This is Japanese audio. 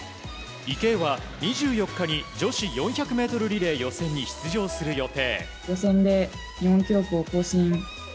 池江は２４日に女子４００ｍリレー予選に出場する予定。